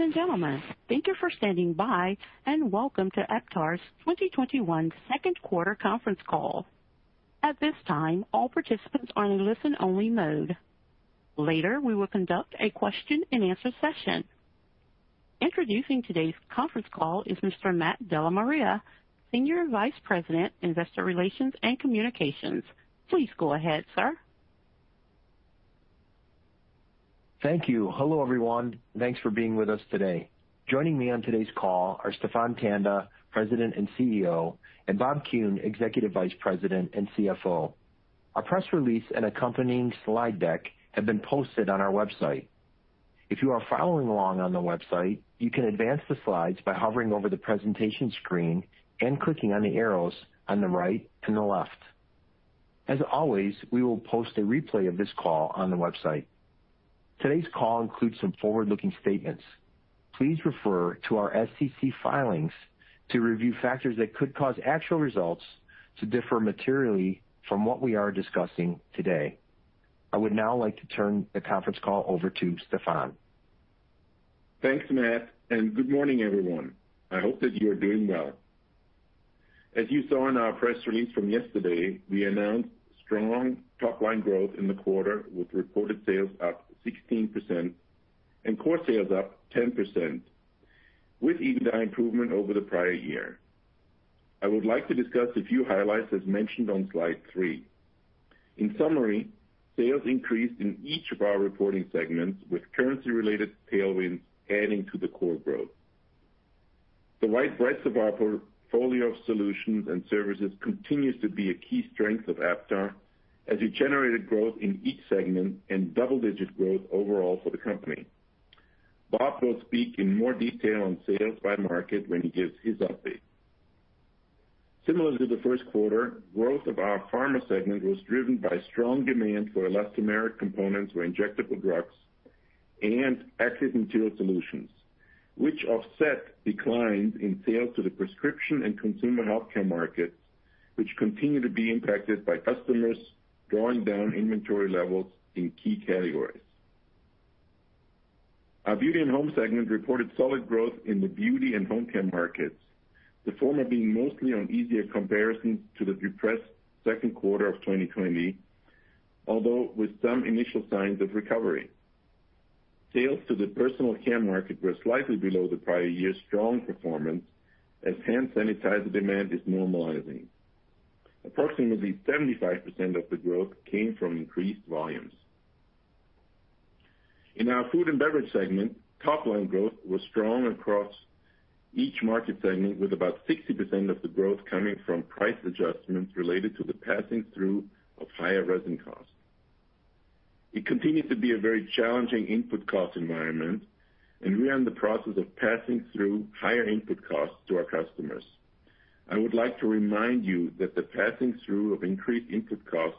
Ladies and gentlemen, thank you for standing by, and Welcome to Aptar's 2021 second quarter conference call. At this time, all participants are in listen-only mode. Later, we will conduct a question and answer session. Introducing today's conference call is Mr. Matthew DellaMaria, Senior Vice President, Investor Relations and Communications. Please go ahead, sir. Thank you. Hello, everyone. Thanks for being with us today. Joining me on today's call are Stephan Tanda, President and CEO, and Robert Kuhn, Executive Vice President and CFO. Our press release and accompanying slide deck have been posted on our website. If you are following along on the website, you can advance the slides by hovering over the presentation screen and clicking on the arrows on the right and the left. As always, we will post a replay of this call on the website. Today's call includes some forward-looking statements. Please refer to our SEC filings to review factors that could cause actual results to differ materially from what we are discussing today. I would now like to turn the conference call over to Stephan. Thanks, Matt. Good morning, everyone. I hope that you are doing well. As you saw in our press release from yesterday, we announced strong top-line growth in the quarter with reported sales up 16% and core sales up 10%, with EBITDA improvement over the prior year. I would like to discuss a few highlights, as mentioned on slide 3. In summary, sales increased in each of our reporting segments, with currency-related tailwinds adding to the core growth. The wide breadth of our portfolio of solutions and services continues to be a key strength of Aptar as we generated growth in each segment and double-digit growth overall for the company. Bob will speak in more detail on sales by market when he gives his update. Similar to the first quarter, growth of our pharma segment was driven by strong demand for elastomeric components for injectable drugs and Active Material Solutions, which offset declines in sales to the prescription and consumer healthcare markets, which continue to be impacted by customers drawing down inventory levels in key categories. Our Beauty and Home segment reported solid growth in the Beauty and Home care markets, the former being mostly on easier comparisons to the depressed second quarter of 2020, although with some initial signs of recovery. Sales to the personal care market were slightly below the prior year's strong performance as hand sanitizer demand is normalizing. Approximately 75% of the growth came from increased volumes. In our Food and Beverage segment, top-line growth was strong across each market segment, with about 60% of the growth coming from price adjustments related to the passing through of higher resin costs. It continued to be a very challenging input cost environment, and we are in the process of passing through higher input costs to our customers. I would like to remind you that the passing through of increased input costs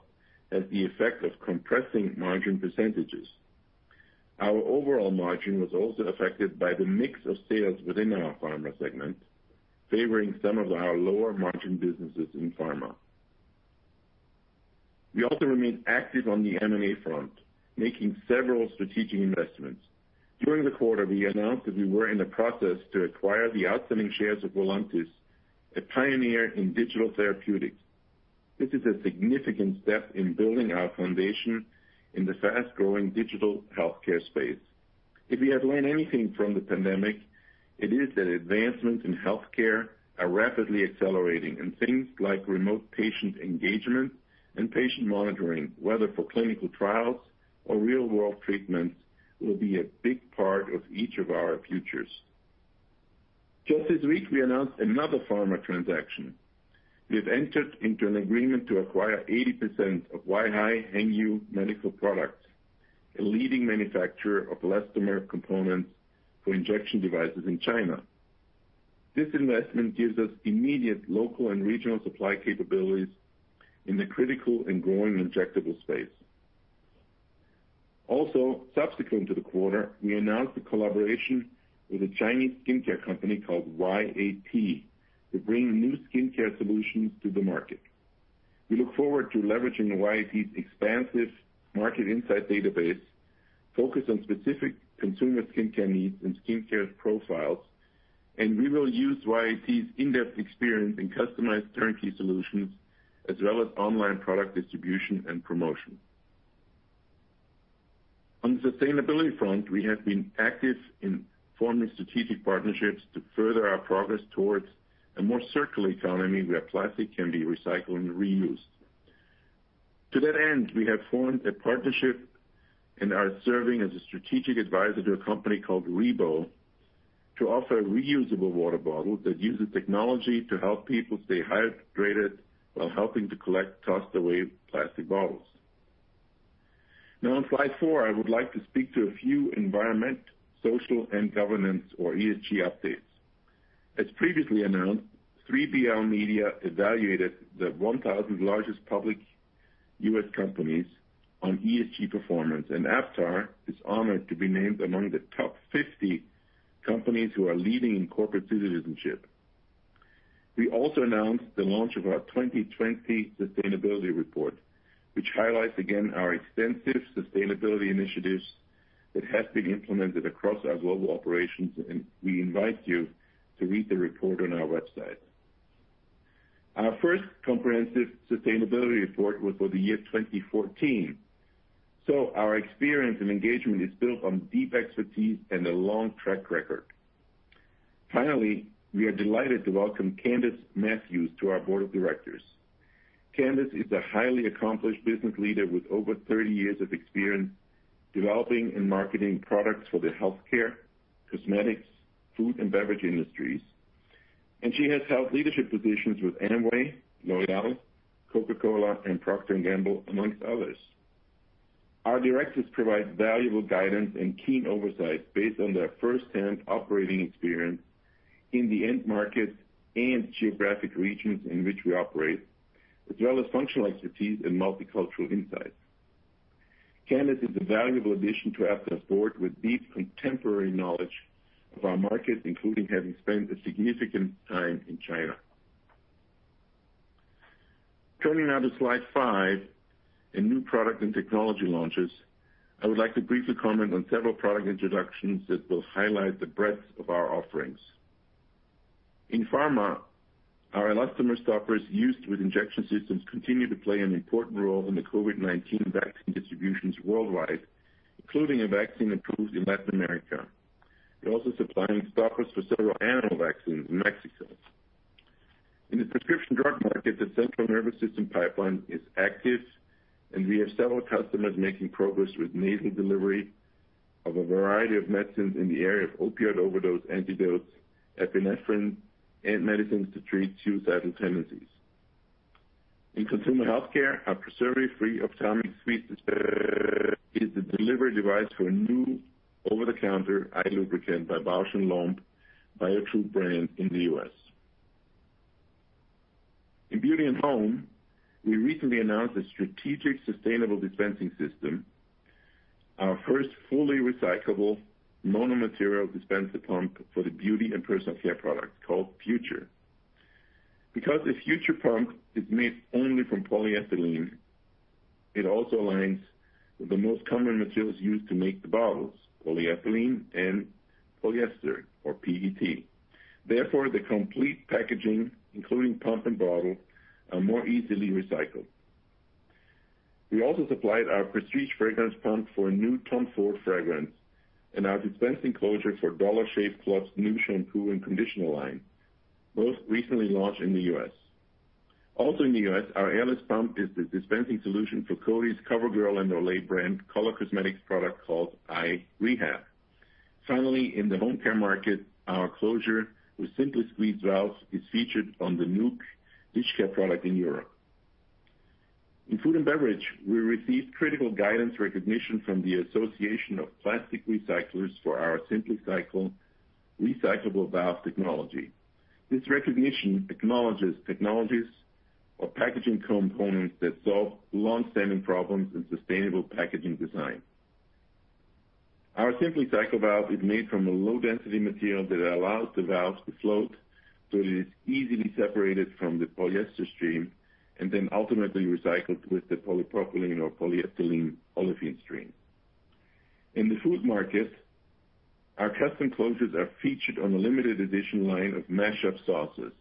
has the effect of compressing margin %. Our overall margin was also affected by the mix of sales within our Pharma segment, favoring some of our lower-margin businesses in Pharma. We also remain active on the M&A front, making several strategic investments. During the quarter, we announced that we were in the process to acquire the outstanding shares of Voluntis, a pioneer in digital therapeutics. This is a significant step in building our foundation in the fast-growing digital healthcare space. If we have learned anything from the pandemic, it is that advancements in healthcare are rapidly accelerating, and things like remote patient engagement and patient monitoring, whether for clinical trials or real-world treatments, will be a big part of each of our futures. Just this week, we announced another pharma transaction. We have entered into an agreement to acquire 80% of Weihai Hengyu Medical Products Co., a leading manufacturer of elastomer components for injection devices in China. This investment gives us immediate local and regional supply capabilities in the critical and growing injectable space. Also, subsequent to the quarter, we announced a collaboration with a Chinese skincare company called YAT to bring new skincare solutions to the market. We look forward to leveraging YAT's expansive market insight database focused on specific consumer skincare needs and skincare profiles, and we will use YAT's in-depth experience in customized turnkey solutions as well as online product distribution and promotion. On the sustainability front, we have been active in forming strategic partnerships to further our progress towards a more circular economy where plastic can be recycled and reused. To that end, we have formed a partnership and are serving as a strategic advisor to a company called REBO to offer reusable water bottles that uses technology to help people stay hydrated while helping to collect tossed away plastic bottles. Now, on slide four, I would like to speak to a few environment, social, and governance or ESG updates. As previously announced, 3BL Media evaluated the 1,000 largest public U.S. companies on ESG performance. Aptar is honored to be named among the top 50 companies who are leading in corporate citizenship. We also announced the launch of our 2020 sustainability report, which highlights again our extensive sustainability initiatives that have been implemented across our global operations. We invite you to read the report on our website. Our first comprehensive sustainability report was for the year 2014. Our experience and engagement is built on deep expertise and a long track record. Finally, we are delighted to welcome Candace Matthews to our board of directors. Candace is a highly accomplished business leader with over 30 years of experience developing and marketing products for the healthcare, cosmetics, food, and beverage industries. She has held leadership positions with Amway, L'Oréal, Coca-Cola, and Procter & Gamble, amongst others. Our directors provide valuable guidance and keen oversight based on their firsthand operating experience in the end markets and geographic regions in which we operate, as well as functional expertise and multicultural insights. Candace is a valuable addition to Aptar's board with deep contemporary knowledge of our markets, including having spent a significant time in China. Turning now to slide five, in new product and technology launches, I would like to briefly comment on several product introductions that will highlight the breadth of our offerings. In pharma, our elastomer stoppers used with injection systems continue to play an important role in the COVID-19 vaccine distributions worldwide, including a vaccine approved in Latin America. We're also supplying stoppers for several animal vaccines in Mexico. In the prescription drug market, the central nervous system pipeline is active, and we have several customers making progress with nasal delivery of a variety of medicines in the area of opioid overdose antidotes, epinephrine, and medicines to treat suicidal tendencies. In consumer healthcare, our preservative-free Ophthalmic Squeeze is the delivery device for a new over-the-counter eye lubricant by Bausch + Lomb Biotrue brand in the U.S. In Beauty and Home, we recently announced a strategic sustainable dispensing system, our first fully recyclable mono-material dispenser pump for the beauty and personal care products called Future. Because the Future pump is made only from polyethylene, it also aligns with the most common materials used to make the bottles, polyethylene and polyester or PET. Therefore, the complete packaging, including pump and bottle, are more easily recycled. We also supplied our prestige fragrance pump for a new Tom Ford fragrance and our dispensing closure for Dollar Shave Club's new shampoo and conditioner line, both recently launched in the U.S. Also in the U.S., our airless pump is the dispensing solution for Coty's CoverGirl and Olay brand color cosmetics product called Eye Rehab. Finally, in the home care market, our closure with SimpliSqueeze valve is featured on the NUK dish care product in Europe. In food and beverage, we received critical guidance recognition from the Association of Plastic Recyclers for our SimpliCycle recyclable valve technology. This recognition acknowledges technologies or packaging components that solve longstanding problems in sustainable packaging design. Our SimpliCycle valve is made from a low-density material that allows the valve to float so it is easily separated from the polyester stream and then ultimately recycled with the polypropylene or polyethylene olefin stream. In the food market, our custom closures are featured on a limited edition line of mashup sauces,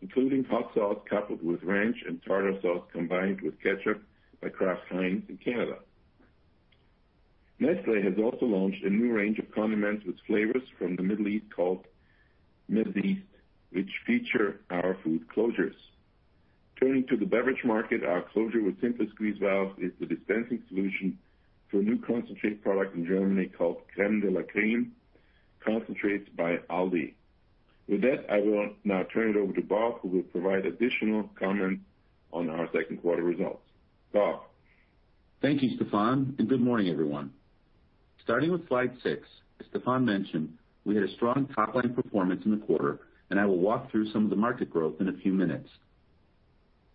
including hot sauce coupled with ranch and tartar sauce combined with ketchup by Kraft Heinz in Canada. Nestlé has also launched a new range of condiments with flavors from the Middle East called MEZEAST, which feature our food closures. Turning to the beverage market, our closure with SimpliSqueeze valve is the dispensing solution for a new concentrate product in Germany called Creme de la Creme Concentrates by Aldi. With that, I will now turn it over to Bob, who will provide additional comment on our second quarter results. Bob? Thank you, Stephan, good morning, everyone. Starting with slide 6, as Stephan mentioned, we had a strong top-line performance in the quarter, and I will walk through some of the market growth in a few minutes.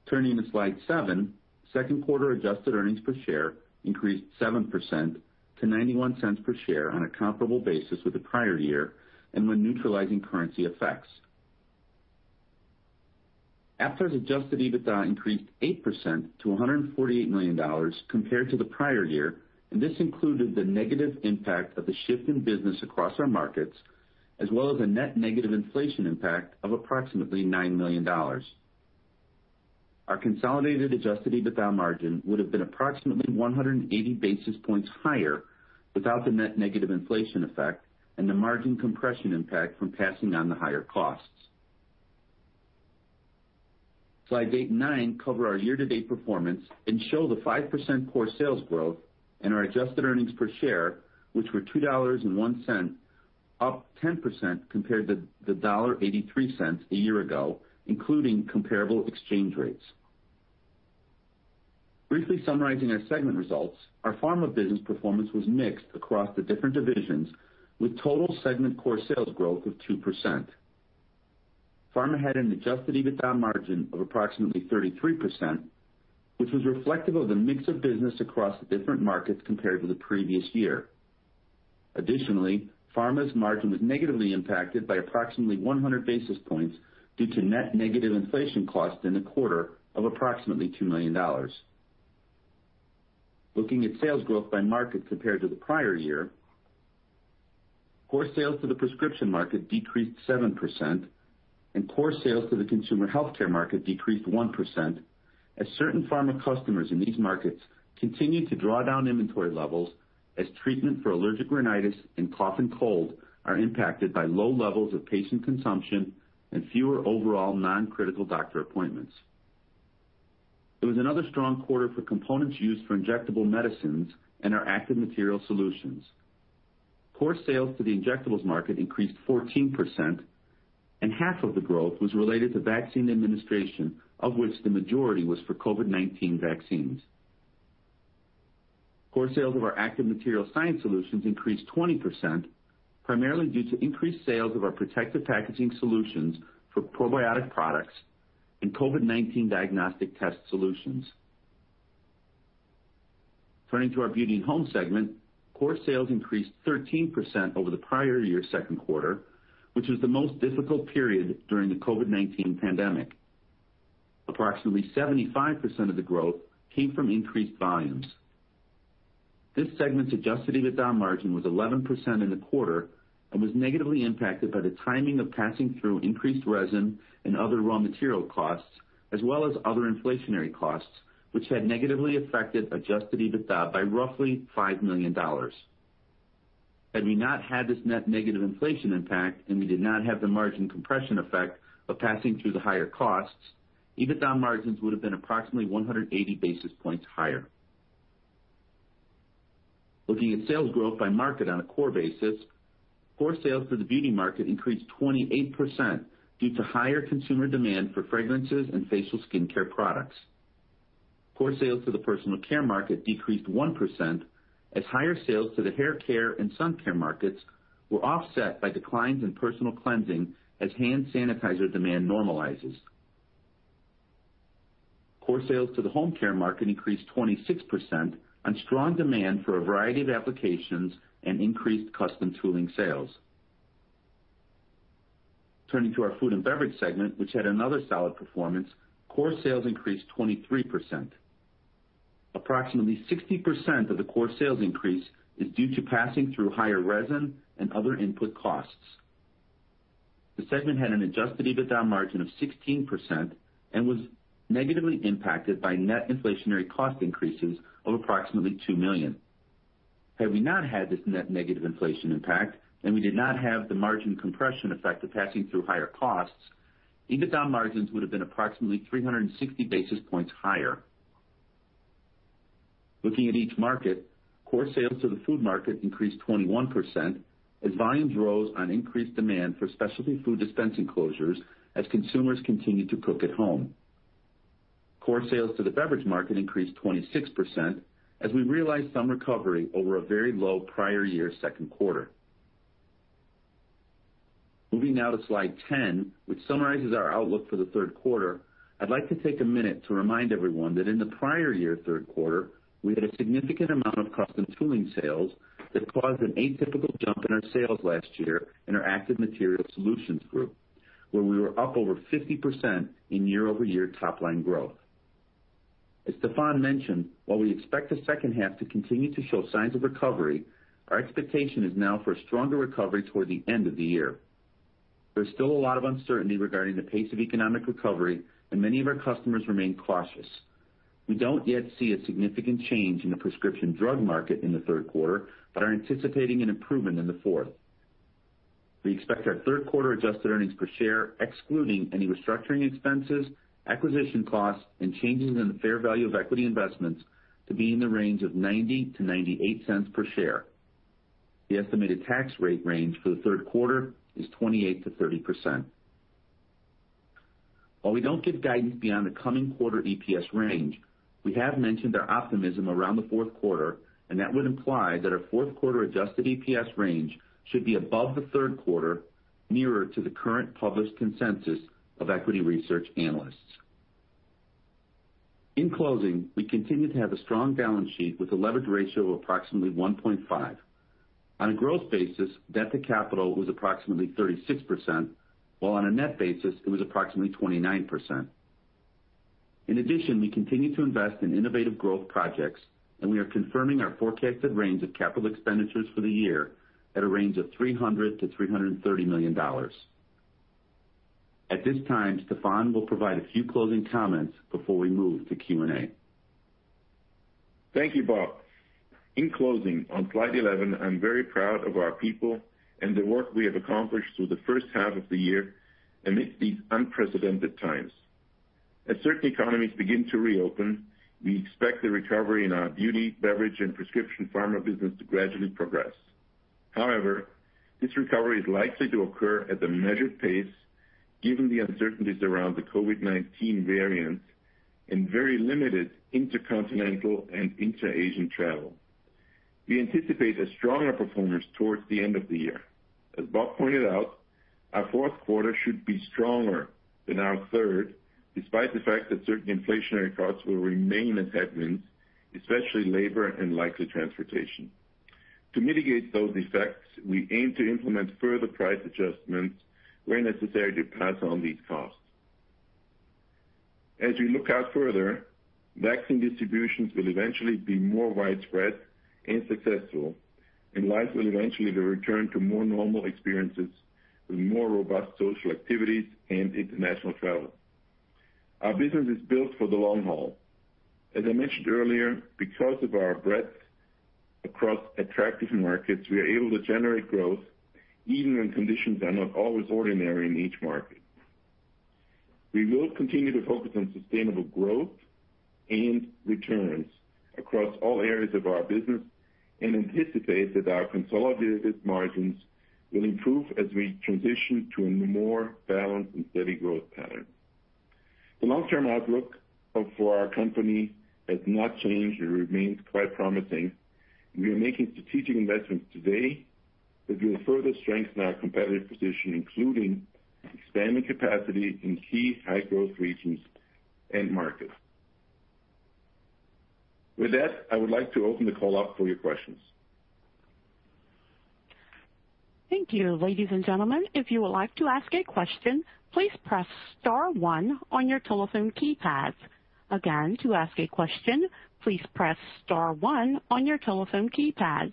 Turning to slide seven, second quarter adjusted earnings per share increased 7% to $0.91 per share on a comparable basis with the prior year and when neutralizing currency effects. Aptar's adjusted EBITDA increased 8% to $148 million compared to the prior year, and this included the negative impact of the shift in business across our markets, as well as a net negative inflation impact of approximately $9 million. Our consolidated adjusted EBITDA margin would have been approximately 180 basis points higher without the net negative inflation effect and the margin compression impact from passing on the higher costs. Slides eight and nine cover our year-to-date performance and show the 5% core sales growth and our adjusted earnings per share, which were $2.01, up 10% compared to $1.83 a year ago, including comparable exchange rates. Briefly summarizing our segment results, our Pharma business performance was mixed across the different divisions, with total segment core sales growth of 2%. Pharma had an adjusted EBITDA margin of approximately 33%, which was reflective of the mix of business across the different markets compared with the previous year. Additionally, Pharma's margin was negatively impacted by approximately 100 basis points due to net negative inflation cost in the quarter of approximately $2 million. Looking at sales growth by market compared to the prior year, core sales to the prescription market decreased 7%, and core sales to the consumer healthcare market decreased 1%, as certain pharma customers in these markets continue to draw down inventory levels as treatment for allergic rhinitis and cough and cold are impacted by low levels of patient consumption and fewer overall non-critical doctor appointments. It was another strong quarter for components used for injectable medicines and our Active Material Science solutions. Core sales to the injectables market increased 14%, and half of the growth was related to vaccine administration, of which the majority was for COVID-19 vaccines. Core sales of our Active Material Science solutions increased 20%, primarily due to increased sales of our protective packaging solutions for probiotic products and COVID-19 diagnostic test solutions. Turning to our Beauty and Home segment, core sales increased 13% over the prior year second quarter, which was the most difficult period during the COVID-19 pandemic. Approximately 75% of the growth came from increased volumes. This segment's adjusted EBITDA margin was 11% in the quarter and was negatively impacted by the timing of passing through increased resin and other raw material costs, as well as other inflationary costs, which had negatively affected adjusted EBITDA by roughly $5 million. Had we not had this net negative inflation impact and we did not have the margin compression effect of passing through the higher costs, EBITDA margins would have been approximately 180 basis points higher. Looking at sales growth by market on a core basis, core sales to the beauty market increased 28% due to higher consumer demand for fragrances and facial skincare products. Core sales to the personal care market decreased 1% as higher sales to the haircare and sun care markets were offset by declines in personal cleansing as hand sanitizer demand normalizes. Core sales to the home care market increased 26% on strong demand for a variety of applications and increased custom tooling sales. Turning to our food and beverage segment, which had another solid performance, core sales increased 23%. Approximately 60% of the core sales increase is due to passing through higher resin and other input costs. The segment had an adjusted EBITDA margin of 16% and was negatively impacted by net inflationary cost increases of approximately $2 million. Had we not had this net negative inflation impact and we did not have the margin compression effect of passing through higher costs, EBITDA margins would have been approximately 360 basis points higher. Looking at each market, core sales to the food market increased 21% as volumes rose on increased demand for specialty food dispensing closures as consumers continued to cook at home. Core sales to the beverage market increased 26% as we realized some recovery over a very low prior year second quarter. Moving now to slide 10, which summarizes our outlook for the third quarter, I'd like to take a minute to remind everyone that in the prior year third quarter, we had a significant amount of custom tooling sales that caused an atypical jump in our sales last year in our Active Material Science group, where we were up over 50% in year-over-year top line growth. As Stephan mentioned, while we expect the second half to continue to show signs of recovery, our expectation is now for a stronger recovery toward the end of the year. There is still a lot of uncertainty regarding the pace of economic recovery, and many of our customers remain cautious. We don't yet see a significant change in the prescription drug market in the third quarter, but are anticipating an improvement in the fourth. We expect our third quarter adjusted earnings per share, excluding any restructuring expenses, acquisition costs, and changes in the fair value of equity investments, to be in the range of $0.90-$0.98 per share. The estimated tax rate range for the third quarter is 28%-30%. While we don't give guidance beyond the coming quarter EPS range, we have mentioned our optimism around the fourth quarter, and that would imply that our fourth quarter adjusted EPS range should be above the third quarter, nearer to the current published consensus of equity research analysts. In closing, we continue to have a strong balance sheet with a leverage ratio of approximately 1.5. On a growth basis, debt to capital was approximately 36%, while on a net basis, it was approximately 29%. In addition, we continue to invest in innovative growth projects, and we are confirming our forecasted range of capital expenditures for the year at a range of $300 million-$330 million. At this time, Stephan will provide a few closing comments before we move to Q&A. Thank you, Bob. In closing, on slide 11, I am very proud of our people and the work we have accomplished through the first half of the year amidst these unprecedented times. As certain economies begin to reopen, we expect the recovery in our beauty, beverage, and prescription pharma business to gradually progress. However, this recovery is likely to occur at a measured pace given the uncertainties around the COVID-19 variants and very limited intercontinental and inter-Asian travel. We anticipate a stronger performance towards the end of the year. As Bob pointed out, our fourth quarter should be stronger than our third, despite the fact that certain inflationary costs will remain as headwinds, especially labor and likely transportation. To mitigate those effects, we aim to implement further price adjustments where necessary to pass on these costs. As we look out further, vaccine distributions will eventually be more widespread and successful, and life will eventually return to more normal experiences with more robust social activities and international travel. Our business is built for the long haul. As I mentioned earlier, because of our breadth across attractive markets, we are able to generate growth even when conditions are not always ordinary in each market. We will continue to focus on sustainable growth and returns across all areas of our business and anticipate that our consolidated margins will improve as we transition to a more balanced and steady growth pattern. The long-term outlook for our company has not changed. It remains quite promising, and we are making strategic investments today that will further strengthen our competitive position, including expanding capacity in key high-growth regions and markets. With that, I would like to open the call up for your questions. Thank you. Ladies and gentlemen, if you would like to ask a question, please press star one on your telephone keypads. Again, to ask a question, please press star one on your telephone keypads.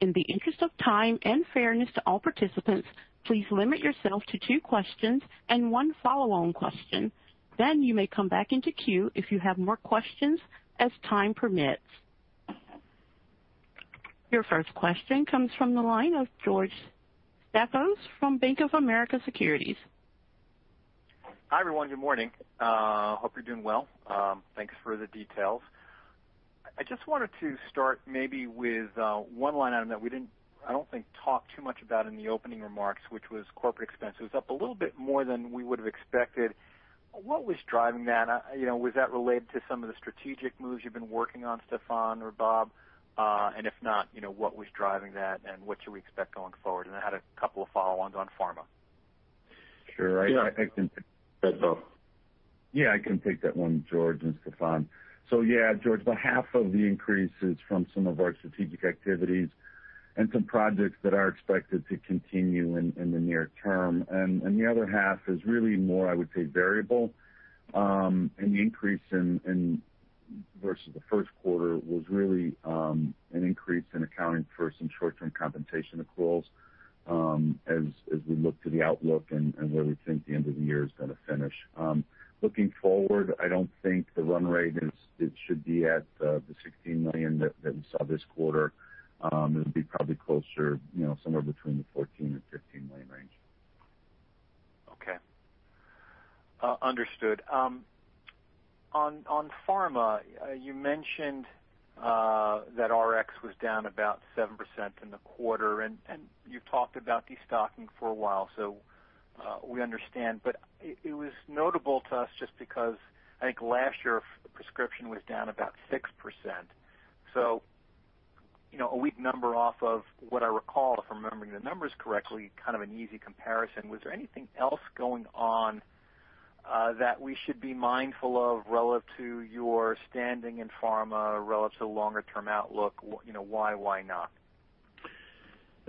In the interest of time and fairness to all participants, please limit yourself to two questions and one follow-on question. You may come back into queue if you have more questions as time permits. Your first question comes from the line of George Staphos from Bank of America Securities. Hi, everyone. Good morning. Hope you're doing well. Thanks for the details. I just wanted to start maybe with one line item that we didn't, I don't think, talk too much about in the opening remarks, which was corporate expenses. Up a little bit more than we would have expected. What was driving that? Was that related to some of the strategic moves you've been working on, Stephan or Robert? If not, what was driving that, and what should we expect going forward? I had a couple of follow-ons on pharma. Sure. Yeah, I can take that. That's all. Yeah, I can take that one, George, and Stephan. Yeah, George, about half of the increase is from some of our strategic activities and some projects that are expected to continue in the near term. The other half is really more, I would say, variable. The increase versus the first quarter was really an increase in accounting for some short-term compensation accruals, as we look to the outlook and where we think the end of the year is going to finish. Looking forward, I don't think the run rate should be at the $16 million that we saw this quarter. It'll be probably closer, somewhere between the $14 million and $15 million range. Okay. Understood. On pharma, you mentioned that RX was down about 7% in the quarter. You've talked about destocking for a while, we understand. It was notable to us just because I think last year, prescription was down about 6%. A weak number off of what I recall, if I'm remembering the numbers correctly, kind of an easy comparison. Was there anything else going on that we should be mindful of relative to your standing in pharma relative to longer-term outlook? Why? Why not?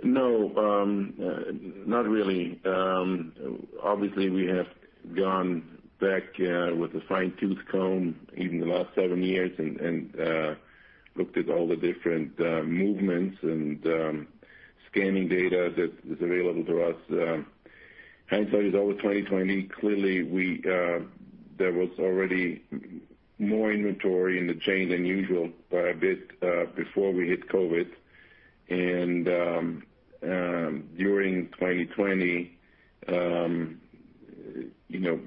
No. Not really. Obviously, we have gone back with a fine-tooth comb in the last seven years and looked at all the different movements and scanning data that is available to us. Hindsight is always 2020. Clearly, there was already more inventory in the chain than usual by a bit before we hit COVID. During 2020,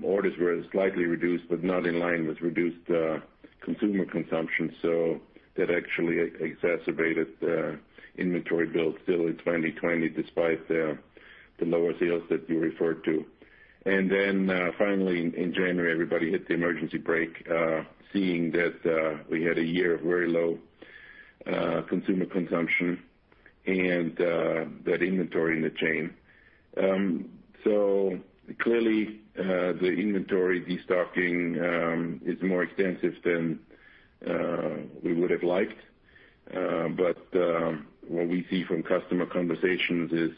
orders were slightly reduced but not in line with reduced consumer consumption. That actually exacerbated the inventory build still in 2020, despite the lower sales that you referred to. Finally in January, everybody hit the emergency brake, seeing that we had a year of very low consumer consumption and that inventory in the chain. Clearly, the inventory destocking is more extensive than we would have liked. What we see from customer conversations is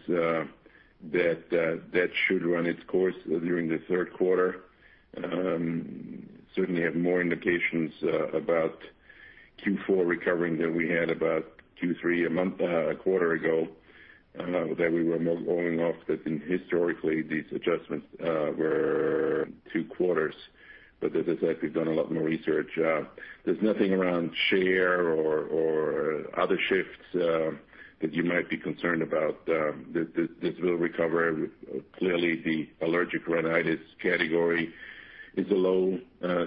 that that should run its course during the third quarter. Certainly have more indications about Q4 recovering than we had about Q3 a quarter ago, that we were more owing off that historically, these adjustments were two quarters, but that has actually done a lot more research. There's nothing around share or other shifts that you might be concerned about. This will recover. Clearly, the allergic rhinitis category is a low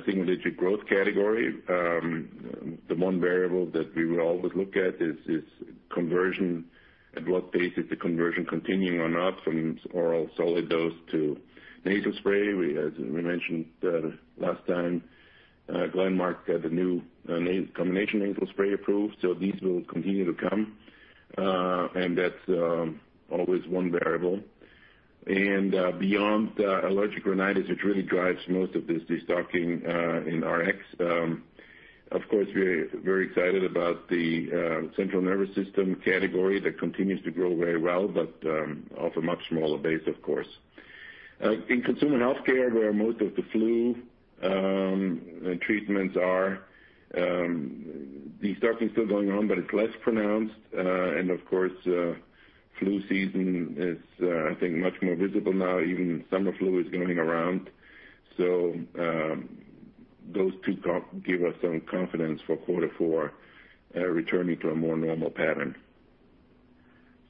single-digit growth category. The one variable that we will always look at is conversion. At what pace is the conversion continuing or not from oral solid dose to nasal spray? As we mentioned last time, Glenmark Pharmaceuticals Limited had a new combination nasal spray approved. These will continue to come, and that's always one variable. Beyond allergic rhinitis, which really drives most of this destocking in RX. Of course, we're very excited about the central nervous system category that continues to grow very well but off a much smaller base, of course. In consumer healthcare, where most of the flu treatments are, destocking is still going on, but it's less pronounced. Of course, flu season is, I think, much more visible now. Even summer flu is going around. Those two give us some confidence for quarter four returning to a more normal pattern.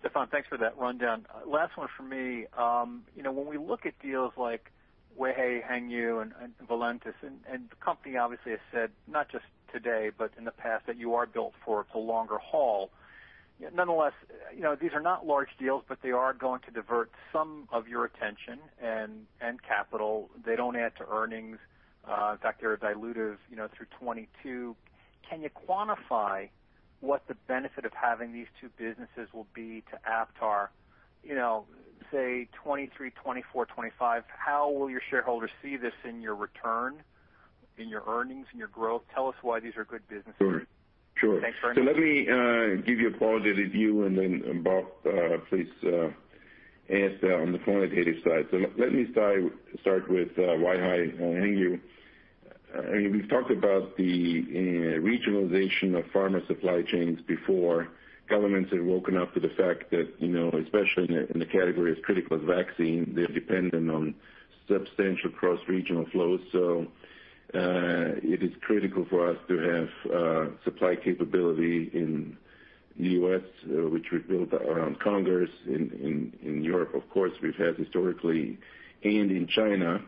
Stephan, thanks for that rundown. Last one from me. When we look at deals like Weihai Hengyu and Voluntis, the company obviously has said, not just today, but in the past, that you are built for the longer haul. Nonetheless, these are not large deals, but they are going to divert some of your attention and capital. They don't add to earnings. In fact, they're dilutive through 2022. Can you quantify what the benefit of having these two businesses will be to Aptar, say, 2023, 2024, 2025? How will your shareholders see this in your return, in your earnings, in your growth? Tell us why these are good businesses. Sure. Thanks very much. Let me give you a qualitative view, and then Bob, please answer on the quantitative side. Let me start with Weihai Hengyu. We've talked about the regionalization of pharma supply chains before. Governments have woken up to the fact that, especially in a category as critical as vaccine, they're dependent on substantial cross-regional flows. It is critical for us to have supply capability in the U.S., which we've built around Congers. In Europe, of course, we've had historically, and in China.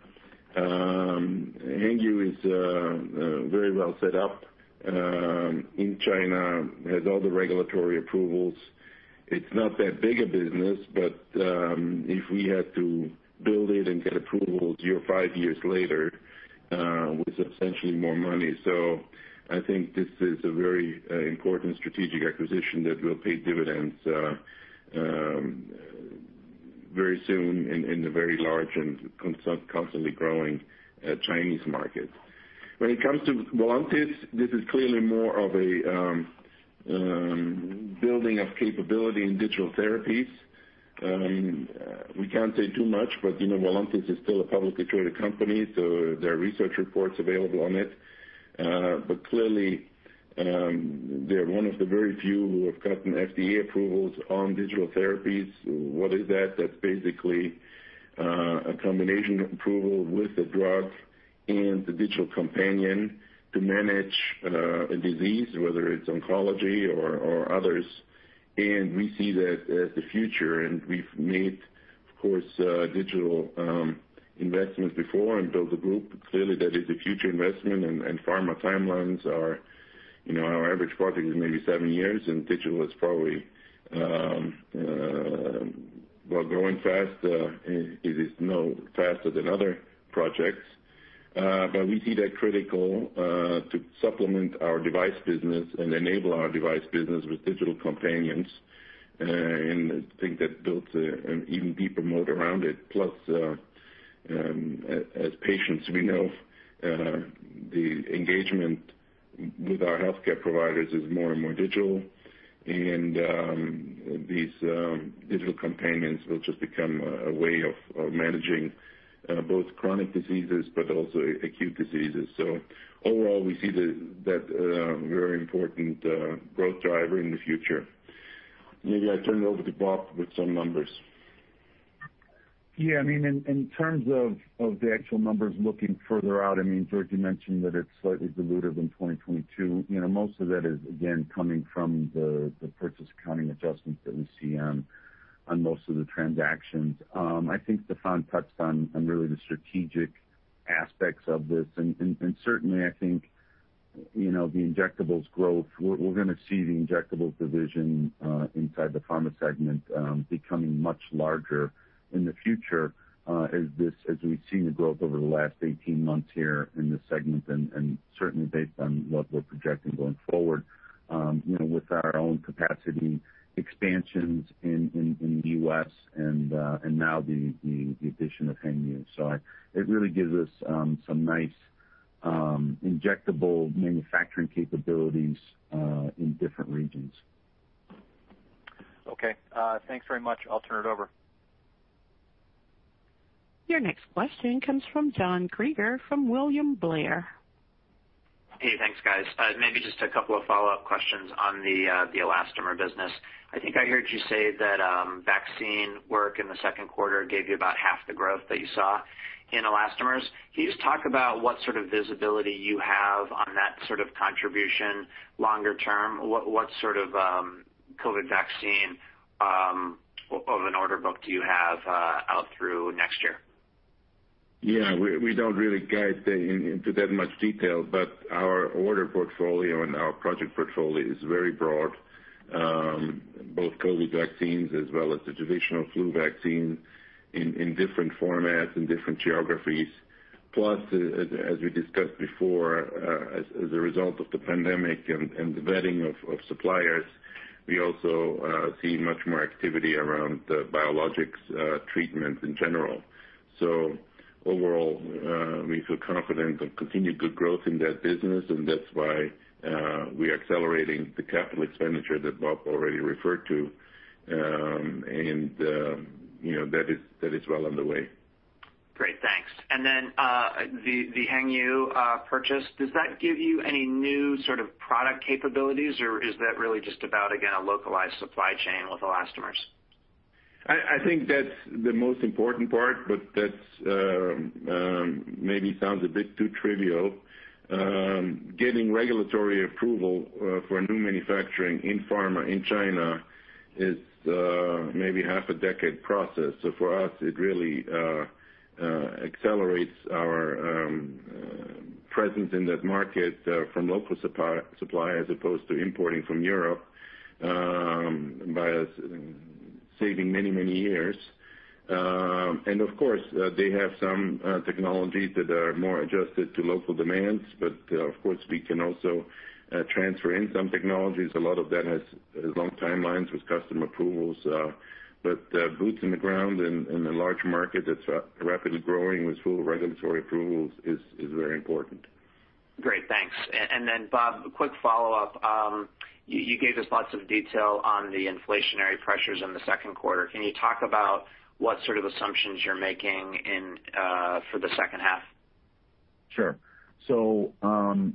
Hengyu is very well set up in China, has all the regulatory approvals. It's not that big a business, but if we had to build it and get approvals five years later with substantially more money. I think this is a very important strategic acquisition that will pay dividends very soon in the very large and constantly growing Chinese market. When it comes to Voluntis, this is clearly more of a building of capability in digital therapies. We can't say too much, Voluntis is still a publicly traded company, so there are research reports available on it. Clearly, they're one of the very few who have gotten FDA approvals on digital therapies. What is that? That's basically a combination approval with the drug and the digital companion to manage a disease, whether it's oncology or others. We see that as the future. We've made, of course, digital investments before and built a group. Clearly, that is a future investment, and pharma timelines are, our average project is maybe seven years, and digital is probably while growing fast, it is no faster than other projects. We see that critical to supplement our device business and enable our device business with digital companions, and I think that builds an even deeper moat around it. Plus, as patients, we know the engagement with our healthcare providers is more and more digital. These digital companions will just become a way of managing both chronic diseases, but also acute diseases. Overall, we see that very important growth driver in the future. Maybe I turn it over to Bob with some numbers. Yeah, in terms of the actual numbers looking further out, George mentioned that it's slightly dilutive in 2022. Most of that is, again, coming from the purchase accounting adjustments that we see on most of the transactions. I think Stephan touched on really the strategic aspects of this. Certainly, I think the injectables growth, we're going to see the injectables division inside the pharma segment becoming much larger in the future as we've seen the growth over the last 18 months here in this segment and certainly based on what we're projecting going forward with our own capacity expansions in the U.S. and now the addition of Weihai Hengyu. It really gives us some nice injectable manufacturing capabilities in different regions. Okay. Thanks very much. I'll turn it over. Your next question comes from John Kreger from William Blair. Hey, thanks, guys. Maybe just a couple of follow-up questions on the elastomer business. I think I heard you say that vaccine work in the second quarter gave you about half the growth that you saw in elastomers. Can you just talk about what sort of visibility you have on that sort of contribution longer term? What sort of COVID vaccine of an order book do you have out through next year? Yeah, we don't really guide into that much detail, but our order portfolio and our project portfolio is very broad, both COVID vaccines as well as the traditional flu vaccine in different formats, in different geographies. As we discussed before, as a result of the pandemic and the vetting of suppliers, we also see much more activity around the biologics treatment in general. Overall, we feel confident of continued good growth in that business, and that's why we are accelerating the capital expenditure that Bob already referred to. That is well underway. Great, thanks. The Weihai Hengyu purchase, does that give you any new sort of product capabilities, or is that really just about, again, a localized supply chain with elastomers? I think that's the most important part, but that maybe sounds a bit too trivial. Getting regulatory approval for a new manufacturing in pharma in China is maybe half a decade process. For us, it really accelerates our presence in that market from local supply as opposed to importing from Europe by saving many, many years. Of course, they have some technologies that are more adjusted to local demands. Of course, we can also transfer in some technologies. A lot of that has long timelines with customer approvals. Boots on the ground in a large market that's rapidly growing with full regulatory approvals is very important. Great, thanks. Bob, a quick follow-up. You gave us lots of detail on the inflationary pressures in the second quarter. Can you talk about what sort of assumptions you're making for the second half? Sure.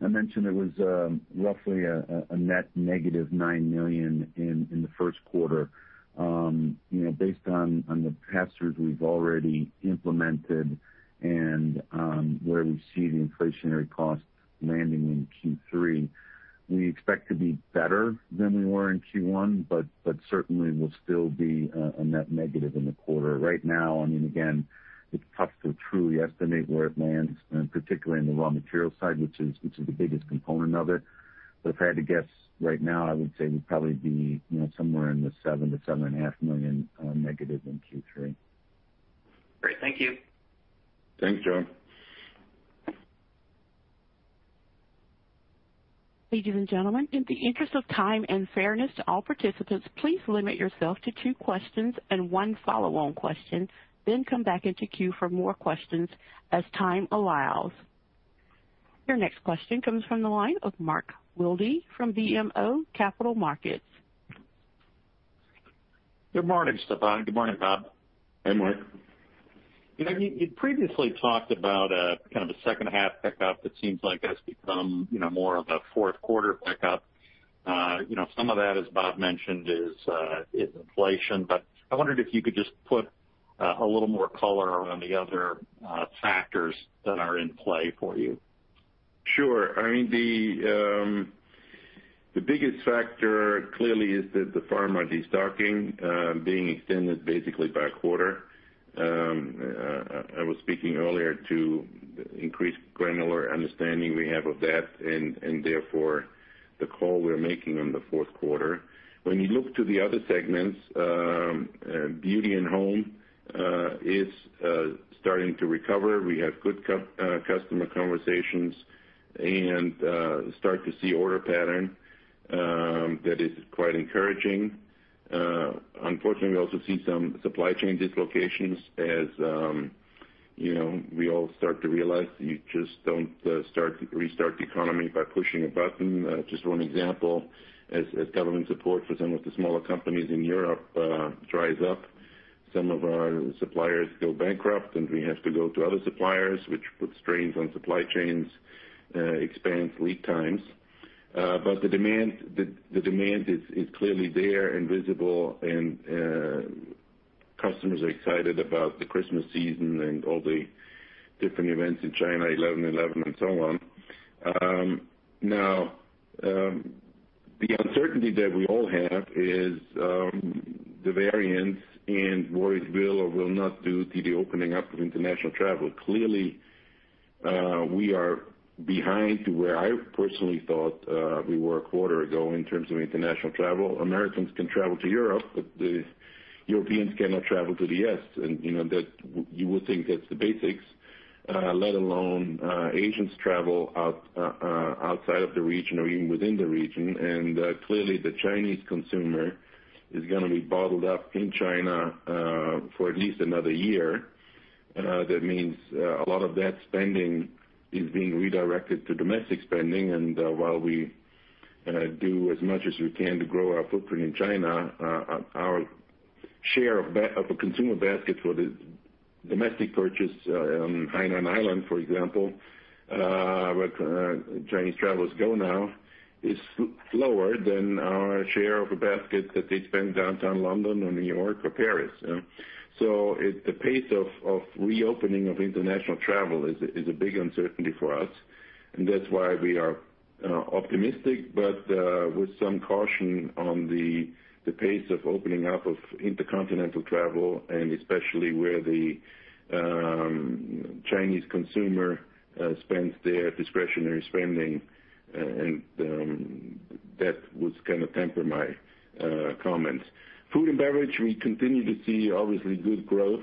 I mentioned it was roughly a net -$9 million in the first quarter. Based on the pass-throughs we've already implemented and where we see the inflationary costs landing in Q3, we expect to be better than we were in Q1, but certainly we'll still be a net negative in the quarter. Right now, again, it's tough to truly estimate where it lands, and particularly in the raw material side, which is the biggest component of it. But if I had to guess right now, I would say we'd probably be somewhere in the $7 million-$7.5 million negative in Q3. Great. Thank you. Thanks, John. Ladies and gentlemen, in the interest of time and fairness to all participants, please limit yourself to two questions and one follow-on question, then come back into queue for more questions as time allows. Your next question comes from the line of Mark Wilde from BMO Capital Markets. Good morning, Stephan. Good morning, Bob. Hey, Mark. You previously talked about a second half pick-up that seems like has become more of a fourth quarter pick-up. Some of that, as Bob mentioned, is inflation. I wondered if you could just put a little more color around the other factors that are in play for you. Sure. The biggest factor clearly is that the pharma destocking being extended basically by a quarter. I was speaking earlier to increased granular understanding we have of that and therefore the call we're making on the fourth quarter. When you look to the other segments, Beauty and Home is starting to recover. We have good customer conversations and start to see order pattern that is quite encouraging. Unfortunately, we also see some supply chain dislocations as we all start to realize that you just don't restart the economy by pushing a button. Just one example, as government support for some of the smaller companies in Europe dries up, some of our suppliers go bankrupt, and we have to go to other suppliers, which puts strains on supply chains, expands lead times. The demand is clearly there and visible, and customers are excited about the Christmas season and all the different events in China, 11/11, and so on. Now, the uncertainty that we all have is the variants and what it will or will not do to the opening up of international travel. Clearly, we are behind to where I personally thought we were a quarter ago in terms of international travel. Americans can travel to Europe, but the Europeans cannot travel to the U.S., and you would think that's the basics. Let alone Asians travel outside of the region or even within the region. Clearly the Chinese consumer is going to be bottled up in China for at least another year. That means a lot of that spending is being redirected to domestic spending. While we do as much as we can to grow our footprint in China, our share of a consumer basket for the domestic purchase on Hainan Island, for example, where Chinese travelers go now, is lower than our share of a basket that they'd spend downtown London or New York or Paris. The pace of reopening of international travel is a big uncertainty for us, and that's why we are optimistic, but with some caution on the pace of opening up of intercontinental travel, and especially where the Chinese consumer spends their discretionary spending. That would kind of temper my comments. Food and beverage, we continue to see, obviously, good growth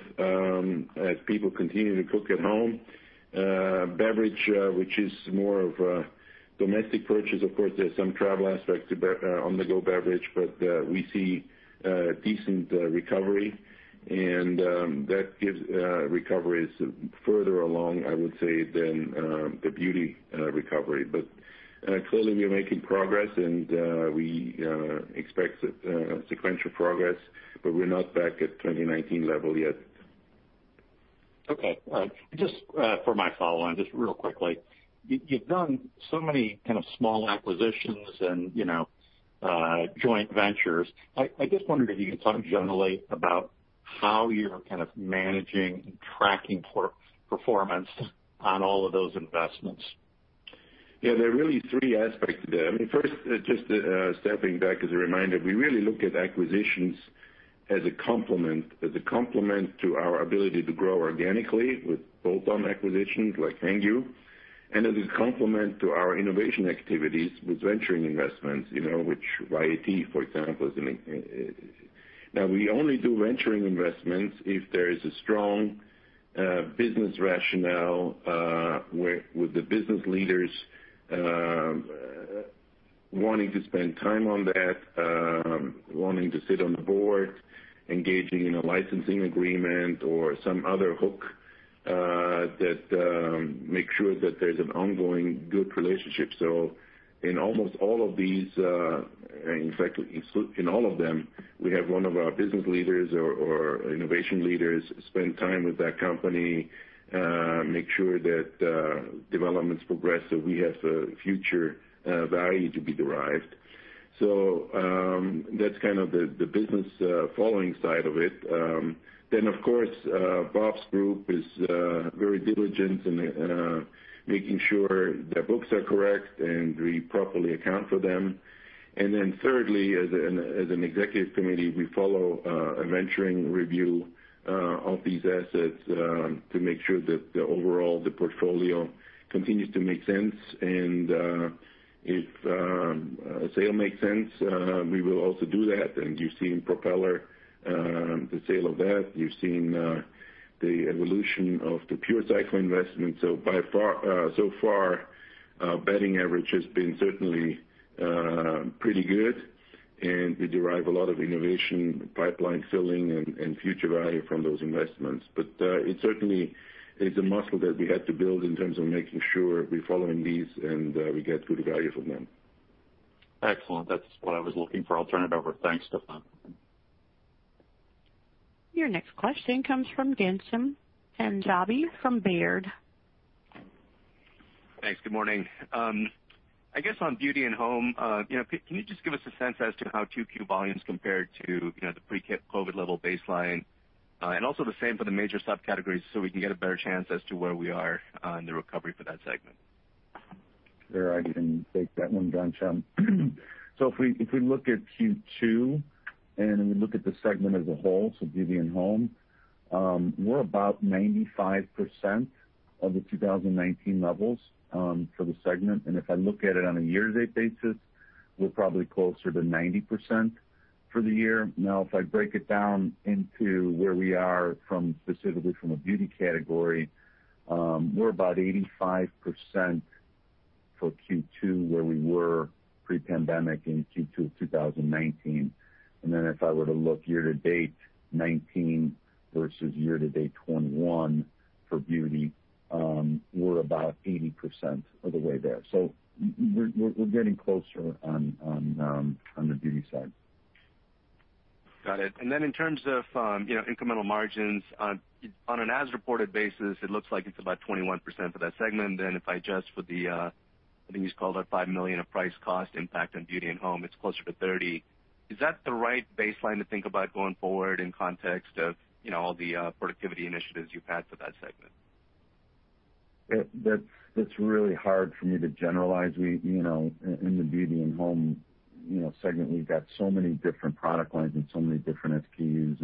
as people continue to cook at home. Beverage, which is more of a domestic purchase, of course, there's some travel aspect to on-the-go beverage. We see decent recovery, and that recovery is further along, I would say, than the beauty recovery. Clearly, we are making progress, and we expect sequential progress, but we're not back at 2019 level yet. Okay. Just for my follow-on, just real quickly, you've done so many kind of small acquisitions and joint ventures. I just wondered if you could talk generally about how you're kind of managing and tracking performance on all of those investments? There are really three aspects there. First, just stepping back as a reminder, we really look at acquisitions as a complement to our ability to grow organically with bolt-on acquisitions like Hengyu, and as a complement to our innovation activities with venturing investments, which YAT, for example, is an. We only do venturing investments if there is a strong business rationale with the business leaders wanting to spend time on that, wanting to sit on the board, engaging in a licensing agreement or some other hook that makes sure that there's an ongoing good relationship. In almost all of these, in fact, in all of them, we have one of our business leaders or innovation leaders spend time with that company, make sure that developments progress, so we have future value to be derived. That's kind of the business following side of it. Of course, Bob's group is very diligent in making sure their books are correct, and we properly account for them. Thirdly, as an executive committee, we follow a venturing review of these assets to make sure that overall the portfolio continues to make sense, and if a sale makes sense, we will also do that. You've seen Propeller Health, the sale of that. You've seen the evolution of the PureCycle investment. So far, batting average has been certainly pretty good, and we derive a lot of innovation, pipeline filling, and future value from those investments. It certainly is a muscle that we had to build in terms of making sure we're following these, and we get good value from them. Excellent. That's what I was looking for. I'll turn it over. Thanks, Stephan. Your next question comes from Ghansham Panjabi from Robert W. Baird & Co. Thanks. Good morning. I guess on Beauty and Home, can you just give us a sense as to how 2Q volumes compared to the pre-COVID-19 level baseline? Also the same for the major subcategories, so we can get a better chance as to where we are on the recovery for that segment. Sure. I can take that one, Ghansham. If we look at Q2, and we look at the segment as a whole, Beauty and Home, we're about 95% of the 2019 levels for the segment. If I look at it on a year-to-date basis, we're probably closer to 90% for the year. If I break it down into where we are specifically from a beauty category, we're about 85% for Q2 where we were pre-pandemic in Q2 2019. If I were to look year to date 2019 versus year to date 2021 for beauty, we're about 80% of the way there. We're getting closer on the beauty side. Got it. In terms of incremental margins on an as reported basis, it looks like it's about 21% for that segment. If I adjust for the, I think you called out $5 million of price cost impact on Beauty and Home, it's closer to 30%. Is that the right baseline to think about going forward in context of all the productivity initiatives you've had for that segment? That's really hard for me to generalize. In the Beauty and Home segment, we've got so many different product lines and so many different SKUs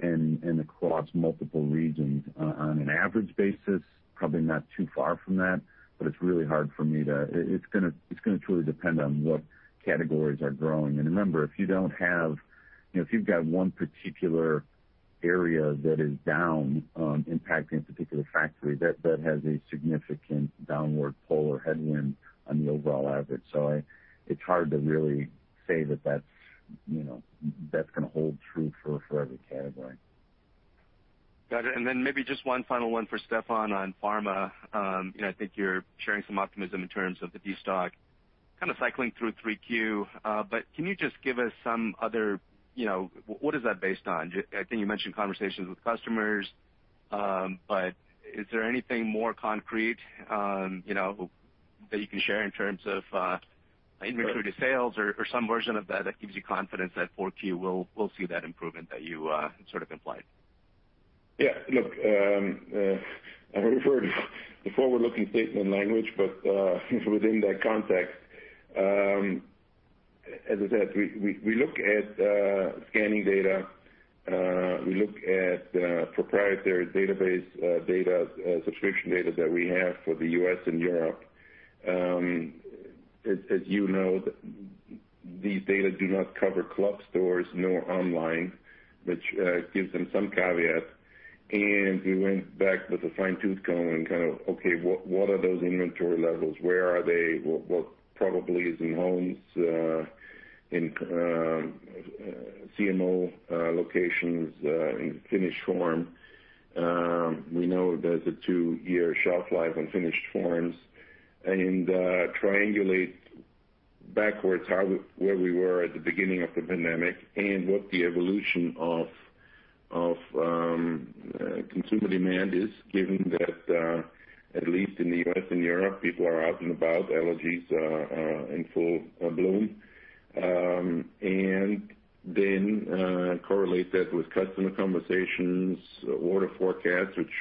and across multiple regions. On an average basis, probably not too far from that, but it's really hard for me, it's going to truly depend on what categories are growing. Remember, if you've got one particular area that is down, impacting a particular factory, that has a significant downward pull or headwind on the overall average. It's hard to really say that that's going to hold true for every category. Got it. Maybe just one final one for Stephan Tanda on pharma. I think you're sharing some optimism in terms of the destock kind of cycling through 3Q. Can you just give us what is that based on? I think you mentioned conversations with customers. Is there anything more concrete that you can share in terms of inventory to sales or some version of that that gives you confidence that 4Q will see that improvement that you sort of implied? Yeah, look, I referred to forward-looking statement language, but within that context. As I said, we look at scanning data. We look at proprietary database data, subscription data that we have for the U.S. and Europe. As you know, these data do not cover club stores nor online, which gives them some caveats. We went back with a fine-tooth comb and kind of, okay, what are those inventory levels? Where are they? What probably is in homes, in CMO locations, in finished form. We know there's a two-year shelf life on finished forms. Triangulate backwards where we were at the beginning of the pandemic and what the evolution of consumer demand is, given that, at least in the U.S. and Europe, people are out and about. Allergies are in full bloom. Then correlate that with customer conversations, order forecasts, which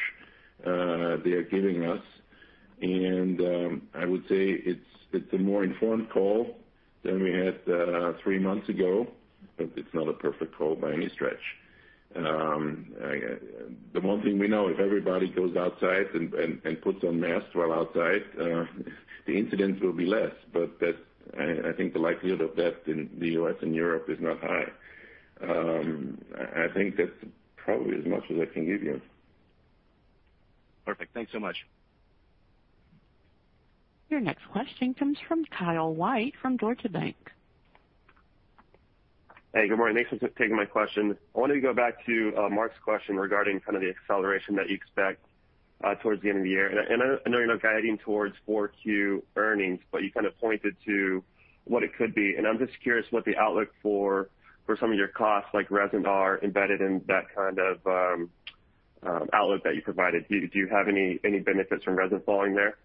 they are giving us. I would say it's a more informed call than we had three months ago, but it's not a perfect call by any stretch. The one thing we know, if everybody goes outside and puts on masks while outside, the incidents will be less. That, I think the likelihood of that in the U.S. and Europe is not high. I think that's probably as much as I can give you. Perfect. Thanks so much. Your next question comes from Kyle White from Deutsche Bank. Hey, good morning. Thanks for taking my question. I wanted to go back to Mark's question regarding the acceleration that you expect towards the end of the year. I know you're not guiding towards 4Q earnings, but you kind of pointed to what it could be, and I'm just curious what the outlook for some of your costs, like resin, are embedded in that kind of outlook that you provided. Do you have any benefits from resin falling there?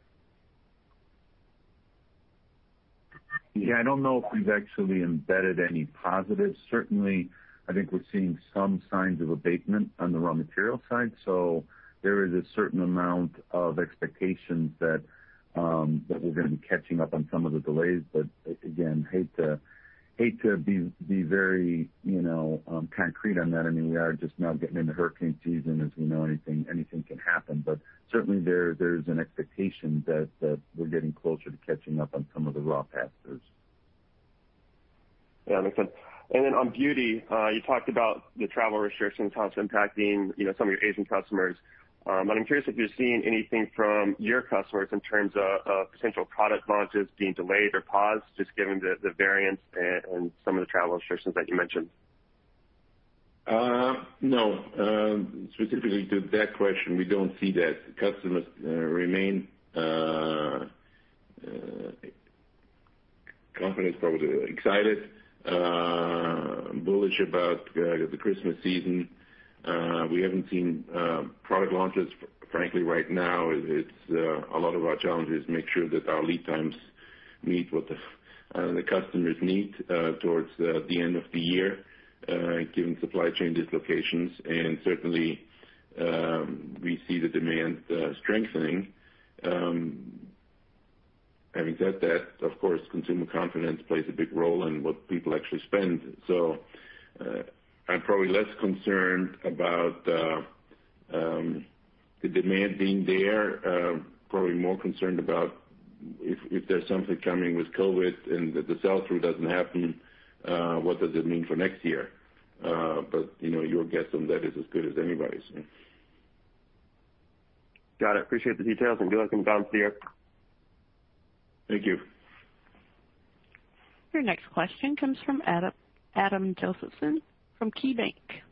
Yeah, I don't know if we've actually embedded any positives. Certainly, I think we're seeing some signs of abatement on the raw material side. There is a certain amount of expectations that we're going to be catching up on some of the delays. Again, hate to be very concrete on that. We are just now getting into hurricane season, as we know, anything can happen. Certainly there's an expectation that we're getting closer to catching up on some of the raw material pass-throughs. Yeah, makes sense. On Beauty, you talked about the travel restrictions kind of impacting some of your Asian customers. I'm curious if you're seeing anything from your customers in terms of potential product launches being delayed or paused, just given the variants and some of the travel restrictions that you mentioned. No. Specifically to that question, we don't see that. Customers remain confident, probably excited, bullish about the Christmas season. We haven't seen product launches. Frankly, right now, a lot of our challenge is to make sure that our lead times meet what the customers need towards the end of the year, given supply chain dislocations. Certainly, we see the demand strengthening. Having said that, of course, consumer confidence plays a big role in what people actually spend. I'm probably less concerned about the demand being there. Probably more concerned about if there's something coming with COVID and that the sell-through doesn't happen, what does it mean for next year? Your guess on that is as good as anybody's. Got it. Appreciate the details and good luck on the conference here. Thank you. Your next question comes from Adam Josephson from KeyBanc Capital Markets.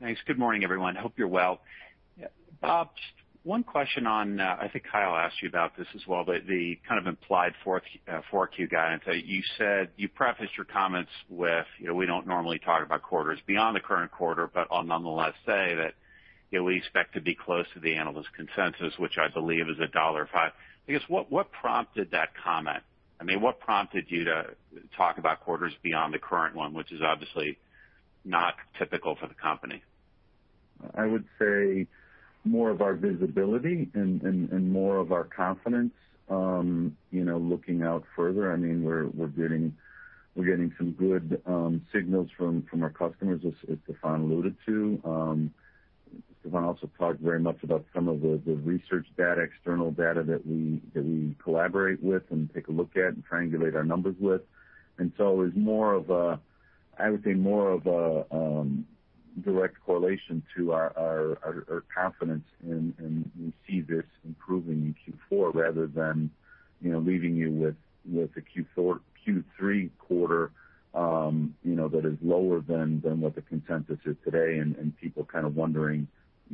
Thanks. Good morning, everyone. Hope you're well. Bob, just one question on, I think Kyle asked you about this as well, but the kind of implied 4Q guidance. You prefaced your comments with, "We don't normally talk about quarters beyond the current quarter, but I'll nonetheless say that we expect to be close to the analyst consensus," which I believe is $1.5. I guess, what prompted that comment? What prompted you to talk about quarters beyond the current one, which is obviously not typical for the company? I would say more of our visibility and more of our confidence looking out further. We're getting some good signals from our customers, as Stephan alluded to. Stephan also talked very much about some of the research data, external data that we collaborate with and take a look at and triangulate our numbers with. It was more of a, I would say more of a direct correlation to our confidence in we see this improving in Q4 rather than leaving you with a Q3 quarter that is lower than what the consensus is today and people kind of wondering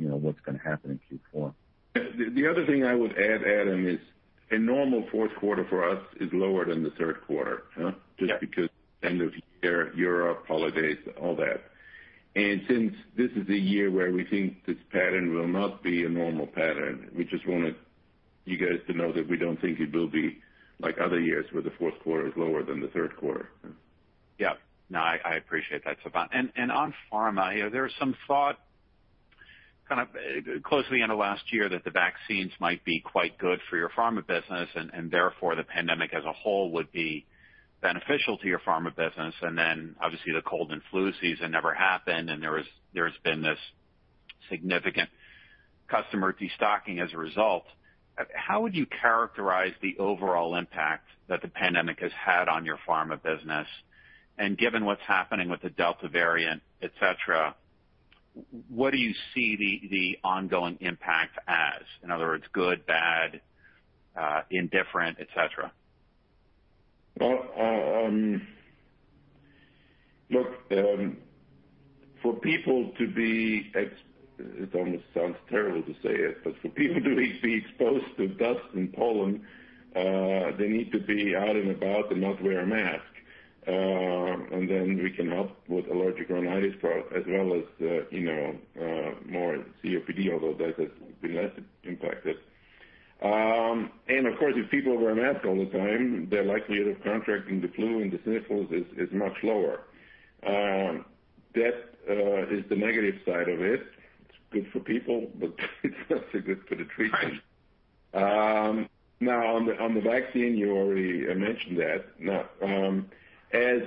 what's going to happen in Q4. The other thing I would add, Adam, is a normal fourth quarter for us is lower than the third quarter. Yeah. Just because end of year, Europe, holidays, all that. Since this is a year where we think this pattern will not be a normal pattern, we just wanted you guys to know that we don't think it will be like other years where the fourth quarter is lower than the third quarter. Yeah. No, I appreciate that, Stephan. On pharma, there was some thought kind of close to the end of last year that the vaccines might be quite good for your pharma business, and therefore, the pandemic as a whole would be beneficial to your pharma business. Obviously the cold and flu season never happened, and there has been this significant customer de-stocking as a result. How would you characterize the overall impact that the pandemic has had on your pharma business? Given what's happening with the Delta variant, et cetera, what do you see the ongoing impact as? In other words, good, bad, indifferent, et cetera. Well, look, for people to be, it almost sounds terrible to say it, but for people to be exposed to dust and pollen, they need to be out and about and not wear a mask. Then we can help with allergic rhinitis as well as more COPD, although that has been less impacted. Of course, if people wear a mask all the time, their likelihood of contracting the flu and the sniffles is much lower. That is the negative side of it. It's good for people, but it's not so good for the treatment. Right. Now, on the vaccine, you already mentioned that. Now, as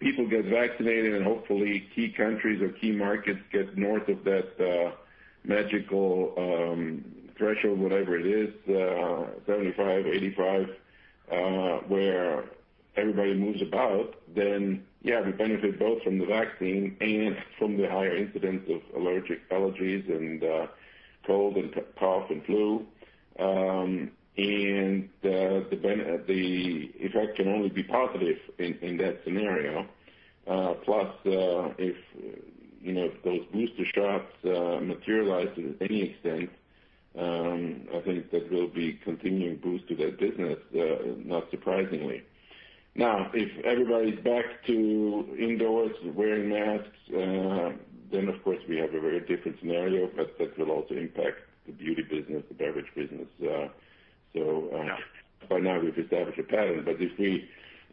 people get vaccinated and hopefully key countries or key markets get north of that magical threshold, whatever it is, 75, 85, where everybody moves about, then yeah, we benefit both from the vaccine and from the higher incidence of allergies and cold and cough and flu. The effect can only be positive in that scenario. Plus, if those booster shots materialize to any extent, I think that will be continuing boost to that business, not surprisingly. Now, if everybody's back to indoors, wearing masks, then of course we have a very different scenario, but that will also impact the beauty business, the beverage business. Yeah by now we've established a pattern.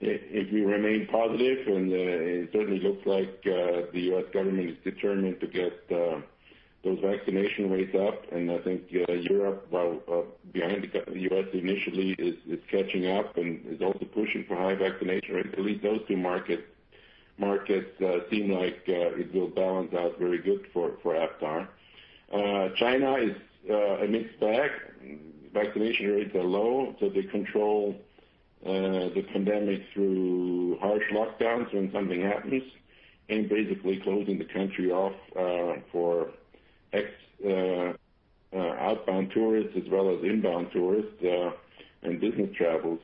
If we remain positive, and it certainly looks like the U.S. government is determined to get those vaccination rates up. I think Europe, while behind the U.S. initially, is catching up and is also pushing for high vaccination rates. At least those two markets seem like it will balance out very good for Aptar. China is a mixed bag. Vaccination rates are low, so they control the pandemic through harsh lockdowns when something happens and basically closing the country off for outbound tourists as well as inbound tourists and business travel.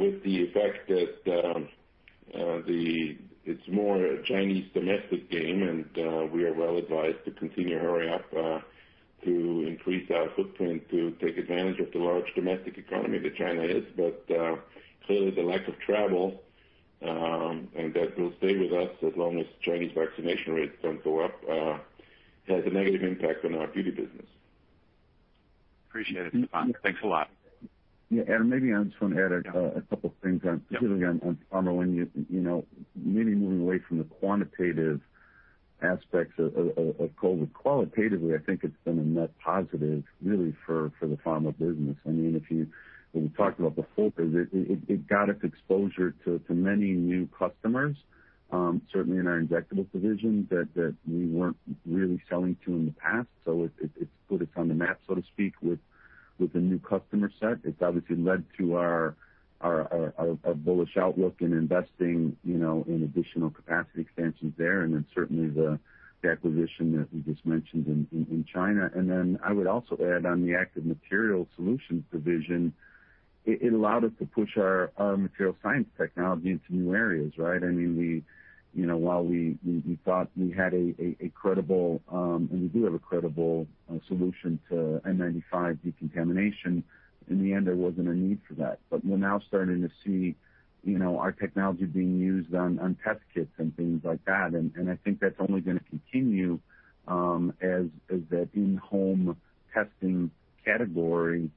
With the effect that it's more a Chinese domestic game, and we are well advised to continue to hurry up to increase our footprint to take advantage of the large domestic economy that China is. Clearly the lack of travel, and that will stay with us as long as Chinese vaccination rates don't go up, has a negative impact on our beauty business. Appreciate it, Stephan. Thanks a lot. Yeah. Maybe I just want to add a couple things on. Yep Particularly on Pharma. Moving away from the quantitative aspects of COVID-19. Qualitatively, I think it's been a net positive really for the Pharma business. When we talked about the full period, it got us exposure to many new customers, certainly in our Injectables division, that we weren't really selling to in the past. It put us on the map, so to speak, with the new customer set. It's obviously led to our bullish outlook in investing in additional capacity expansions there, certainly the acquisition that we just mentioned in China. I would also add on the Active Material Science division, it allowed us to push our material science technology into new areas, right? While we thought we had a credible, and we do have a credible solution to N95 decontamination, in the end, there wasn't a need for that. We're now starting to see our technology being used on test kits and things like that. I think that's only going to continue as that in-home testing category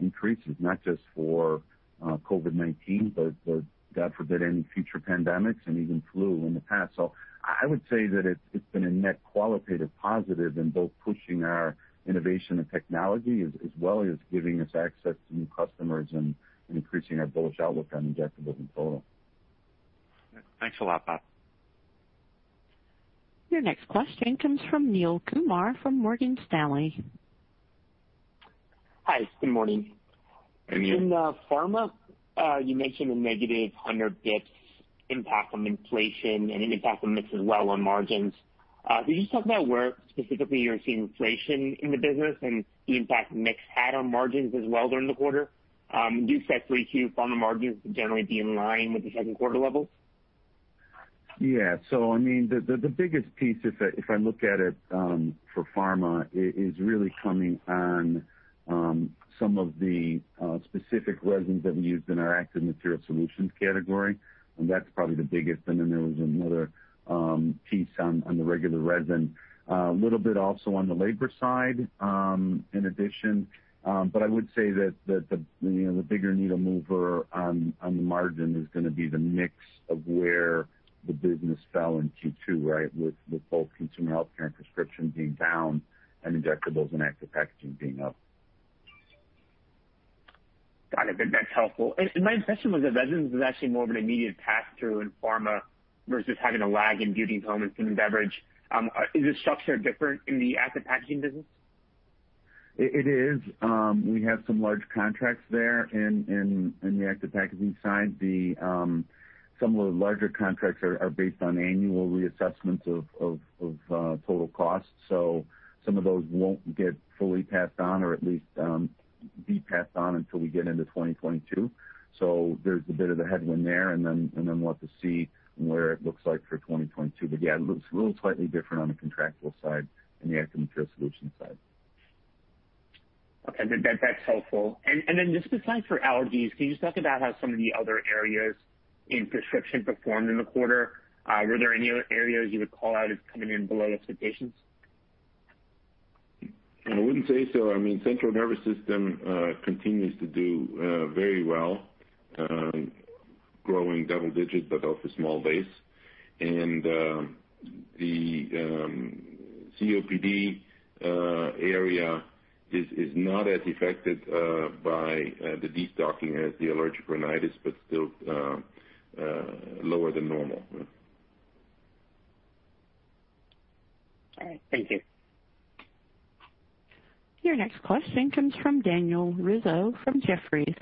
increases, not just for COVID-19, but God forbid, any future pandemics and even flu in the past. I would say that it's been a net qualitative positive in both pushing our innovation and technology, as well as giving us access to new customers and increasing our bullish outlook on injectables in total. Thanks a lot, Bob. Your next question comes from Neel Kumar from Morgan Stanley. Hi, good morning. Hey, Neel. In pharma, you mentioned a negative 100 basis points impact from inflation and an impact on mix as well on margins. Can you just talk about where specifically you're seeing inflation in the business and the impact mix had on margins as well during the quarter? Do you expect 3Q pharma margins to generally be in line with the second quarter levels? Yeah. The biggest piece, if I look at it for pharma, is really coming Some of the specific resins that we used in our Active Material Solutions category, and that's probably the biggest. Then there was another piece on the regular resin. A little bit also on the labor side in addition. I would say that the bigger needle mover on the margin is going to be the mix of where the business fell in Q2, with both consumer healthcare and prescription being down, and injectables and active packaging being up. Got it. That's helpful. My impression was that resins was actually more of an immediate pass-through in pharma versus having a lag in beauty, home, and food and beverage. Is the structure different in the Active Material Science? It is. We have some large contracts there in the active packaging side. Some of the larger contracts are based on annual reassessments of total cost. Some of those won't get fully passed on or at least be passed on until we get into 2022. There's a bit of a headwind there, and then we'll have to see where it looks like for 2022. Yeah, it looks a little slightly different on the contractual side and the Active Material Science side. Okay. That's helpful. Besides for allergies, can you just talk about how some of the other areas in prescription performed in the quarter? Were there any areas you would call out as coming in below expectations? I wouldn't say so. Central nervous system continues to do very well, growing double digits but off a small base. The COPD area is not as affected by the destocking as the allergic rhinitis, but still lower than normal. All right. Thank you. Your next question comes from Daniel Rizzo from Jefferies.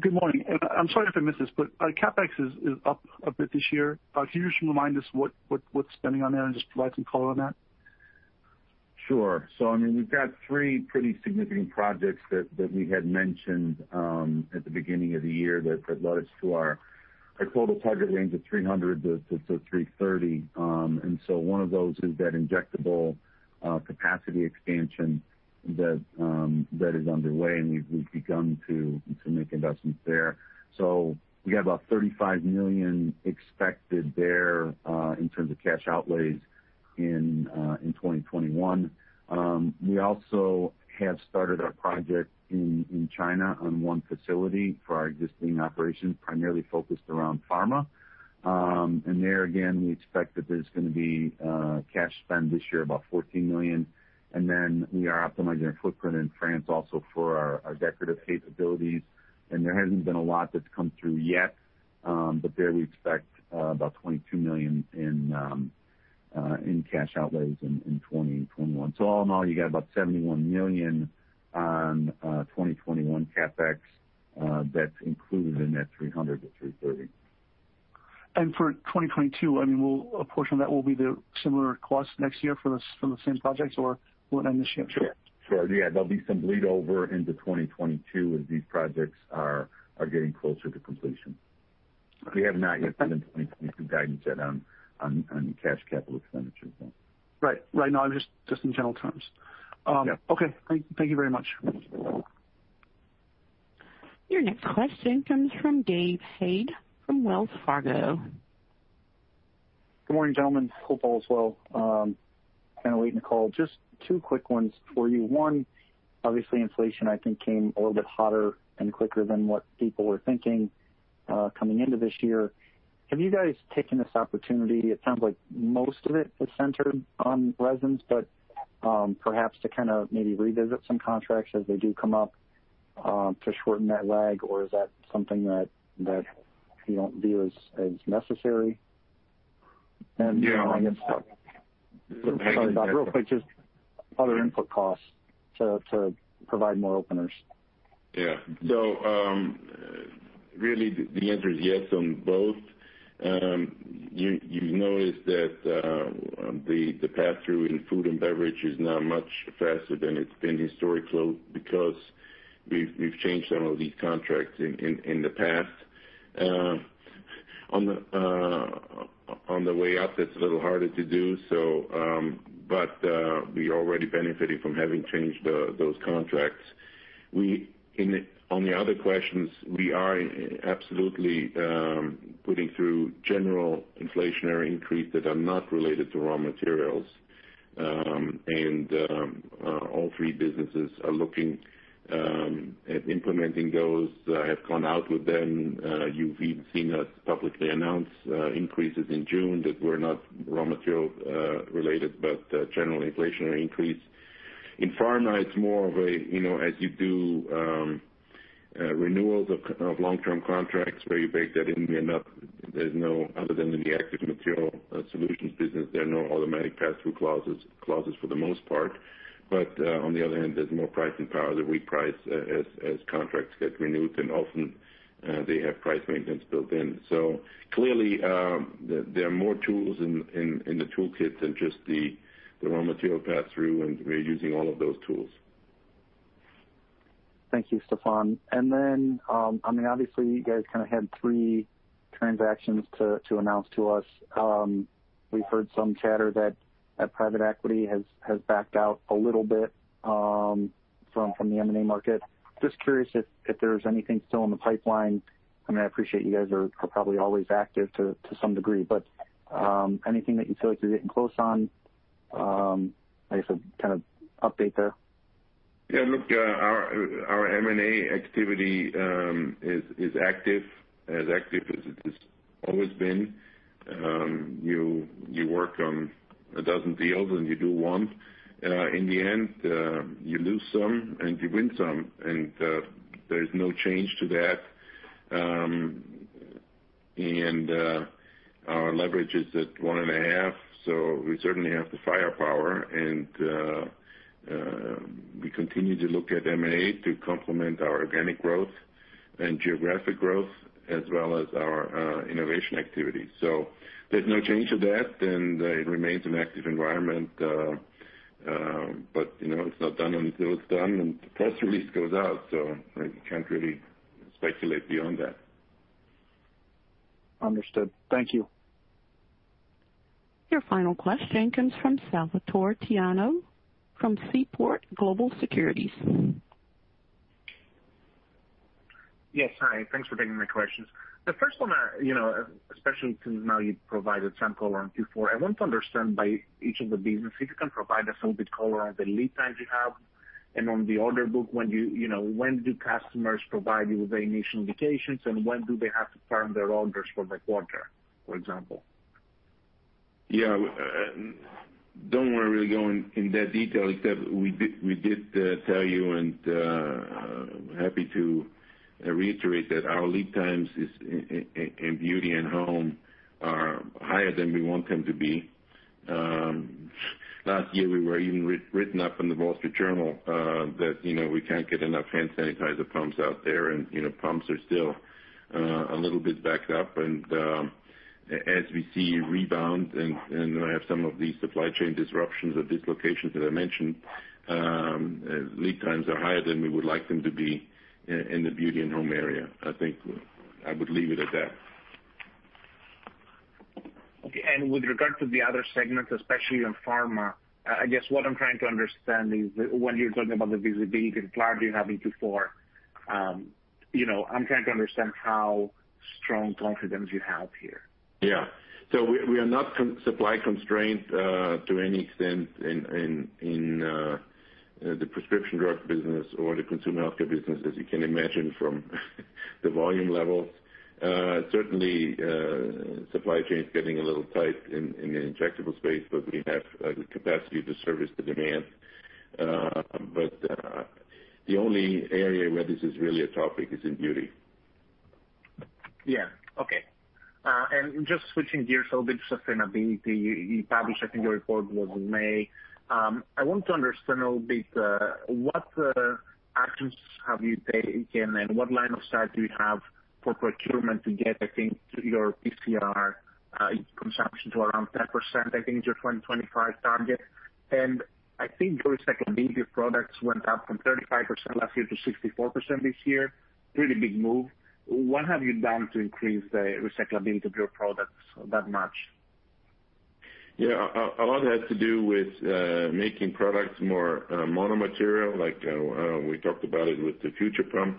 Good morning. I'm sorry if I missed this, but our CapEx is up a bit this year. Can you just remind us what's spending on there and just provide some color on that? Sure. We've got three pretty significant projects that we had mentioned at the beginning of the year that led us to our total target range of 300-330. One of those is that injectable capacity expansion that is underway, and we've begun to make investments there. We have about $35 million expected there, in terms of cash outlays in 2021. We also have started our project in China on one facility for our existing operations, primarily focused around pharma. There again, we expect that there's going to be cash spend this year, about $14 million. Then we are optimizing our footprint in France also for our decorative capabilities. There hasn't been a lot that's come through yet, but there we expect about $22 million in cash outlays in 2021. All in all, you got about $71 million on 2021 CapEx that's included in that $300 million-$330 million. For 2022, a portion of that will be the similar cost next year for the same projects, or will it end this year? Sure. Yeah, there'll be some bleed over into 2022 as these projects are getting closer to completion. We have not yet given 2022 guidance yet on cash capital expenditures. Right. No, just in general terms. Yeah. Okay. Thank you very much. Your next question comes from David Hadder from Wells Fargo. Good morning, gentlemen. Hope all is well. Kind of late in the call. Just 2 quick ones for you. 1, obviously inflation, I think, came a little bit hotter and quicker than what people were thinking coming into this year. Have you guys taken this opportunity, it sounds like most of it was centered on resins, but perhaps to kind of maybe revisit some contracts as they do come up, to shorten that lag, or is that something that you don't view as necessary? Yeah. Sorry, Bob, real quick, just other input costs to provide more openers. Yeah. Really the answer is yes on both. You've noticed that the pass-through in food and beverage is now much faster than it's been historically because we've changed some of these contracts in the past. On the way up, it's a little harder to do, we already benefited from having changed those contracts. On the other questions, we are absolutely putting through general inflationary increases that are not related to raw materials, all three businesses are looking at implementing those, have gone out with them. You've even seen us publicly announce increases in June that were not raw material-related, general inflationary increase. In pharma, it's more of, as you do renewals of long-term contracts where you bake that in up. Other than in the Active Material Science business, there are no automatic pass-through clauses for the most part. On the other hand, there's more pricing power that we price as contracts get renewed, and often they have price maintenance built in. Clearly, there are more tools in the toolkit than just the raw material pass-through, and we're using all of those tools. Thank you, Stephan. Then obviously you guys had three transactions to announce to us. We've heard some chatter that private equity has backed out a little bit from the M&A market. Curious if there's anything still in the pipeline. I appreciate you guys are probably always active to some degree, but anything that you feel like you're getting close on? I guess an update there. Yeah, look, our M&A activity is active, as active as it has always been. You work on 12 deals and you do 1. In the end, you lose some and you win some, and there's no change to that. Our leverage is at 1.5, so we certainly have the firepower, and we continue to look at M&A to complement our organic growth and geographic growth as well as our innovation activity. There's no change to that, and it remains an active environment. It's not done until it's done, and the press release goes out, so you can't really speculate beyond that. Understood. Thank you. Your final question comes from Salvatore Tiano of Seaport Global Holdings. Yes. Hi. Thanks for taking my questions. The first one, especially since now you've provided some color on Q4, I want to understand by each of the businesses, you can provide us a little bit color on the lead times you have and on the order book, when do customers provide you with their initial indications, and when do they have to firm their orders for the quarter, for example? Yeah. Don't want to really go in that detail except we did tell you, and happy to reiterate that our lead times in Beauty and Home are higher than we want them to be. Last year we were even written up in The Wall Street Journal that we can't get enough hand sanitizer pumps out there, and pumps are still a little bit backed up. As we see rebound and some of these supply chain disruptions or dislocations that I mentioned, lead times are higher than we would like them to be in the Beauty and Home area. I think I would leave it at that. Okay. With regard to the other segments, especially on pharma, I guess what I am trying to understand is when you are talking about the visibility, the clarity you have in Q4, I am trying to understand how strong confidence you have here. We are not supply constrained to any extent in the prescription drug business or the consumer healthcare business, as you can imagine from the volume levels. Certainly, supply chain's getting a little tight in the injectable space, but we have the capacity to service the demand. The only area where this is really a topic is in beauty. Yeah. Okay. Just switching gears a little bit to sustainability. You published, I think, your report was in May. I want to understand a little bit, what actions have you taken and what line of sight do you have for procurement to get, I think, to your PCR consumption to around 10%, I think is your 2025 target. I think your recyclability of products went up from 35% last year to 64% this year. Really big move. What have you done to increase the recyclability of your products that much? Yeah. A lot has to do with making products more mono-material, like we talked about it with the Future Pump.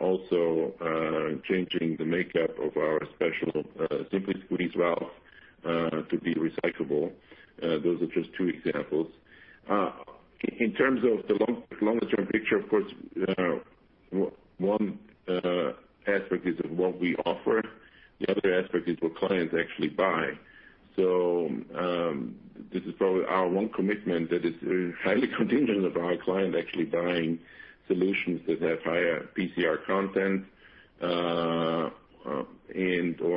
Also changing the makeup of our special SimpliSqueeze valve to be recyclable. Those are just two examples. In terms of the longer-term picture, of course, one aspect is what we offer. The other aspect is what clients actually buy. This is probably our one commitment that is highly contingent on our client actually buying solutions that have higher PCR content, and/or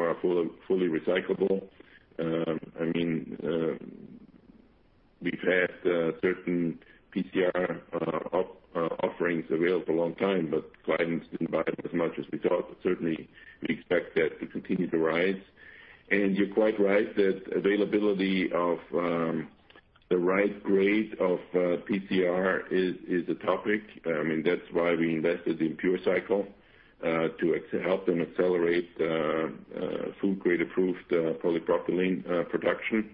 are fully recyclable. We've had certain PCR offerings available a long time, clients didn't buy it as much as we thought. Certainly, we expect that to continue to rise. You're quite right that availability of the right grade of PCR is a topic. That's why we invested in PureCycle, to help them accelerate food-grade approved polypropylene production.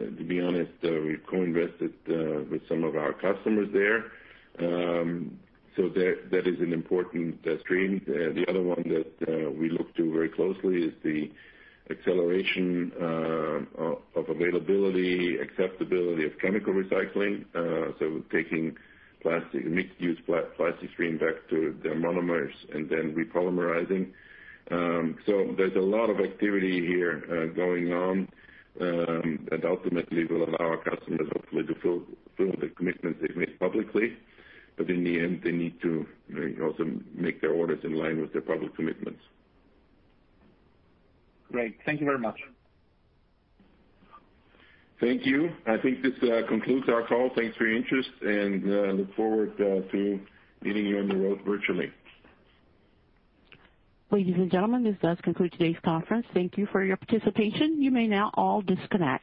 To be honest, we've co-invested with some of our customers there. That is an important stream. The other one that we look to very closely is the acceleration of availability, acceptability of chemical recycling. Taking mixed-use plastic stream back to their monomers and then repolymerizing. There's a lot of activity here going on, that ultimately will allow our customers hopefully to fulfill the commitments they've made publicly. In the end, they need to also make their orders in line with their public commitments. Great. Thank you very much. Thank you. I think this concludes our call. Thanks for your interest, and look forward to meeting you on the road virtually. Ladies and gentlemen, this does conclude today's conference. Thank you for your participation. You may now all disconnect.